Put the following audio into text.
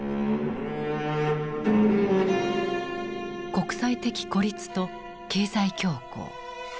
国際的孤立と経済恐慌。